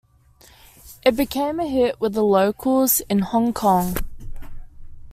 It became a hit with the locals in Hong Kong.